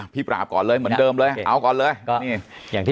พี่ปราบก่อนเลยเหมือนเดิมเลยเอาก่อนเลย